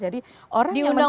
jadi orang yang mencuri